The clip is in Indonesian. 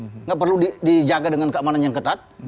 tidak perlu dijaga dengan keamanan yang ketat